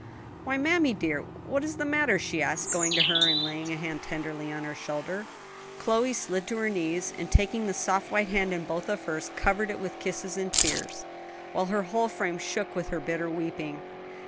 "Why, mammy dear, what is the matter?" she asked, going to her and laying a hand tenderly on her shoulder. Chloe slid to her knees, and taking the soft white hand in both of hers, covered it with kisses and tears, while her whole frame shook with her bitter weeping.